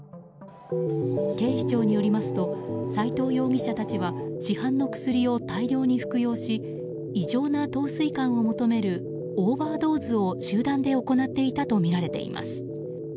警視庁によりますと斎藤容疑者たちは市販の薬を大量に服用し異常な陶酔感を求めるオーバードーズを集団で行っていたとみられています。